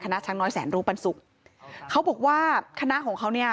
นะช้างน้อยแสนรู้ปันสุกเขาบอกว่าคณะของเขาเนี่ย